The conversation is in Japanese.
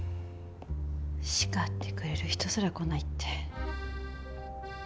叱ってくれる人すら来ないって。